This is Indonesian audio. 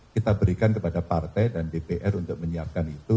kita berikan kepada partai dan dpr untuk menyiapkan itu